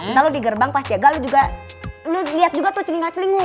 ntar lo di gerbang pas jaga lo juga lo liat juga tuh celingak celinguk